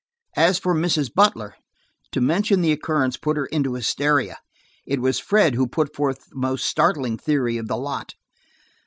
As for Mrs. Butler, to mention the occurrence put her into hysteria. It was Fred who put forth the most startling theory of the lot.